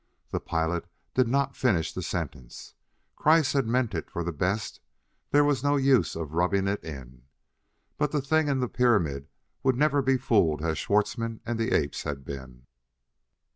The pilot did not finish the sentence. Kreiss had meant it for the best; there was no use of rubbing it in. But that thing in the pyramid would never be fooled as Schwartzmann and the apes had been.